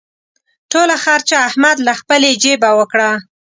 ټوله خرچه احمد له خپلې جېبه وکړه.